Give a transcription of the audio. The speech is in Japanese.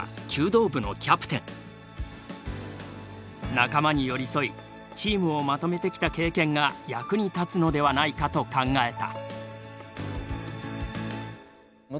仲間に寄り添いチームをまとめてきた経験が役に立つのではないかと考えた。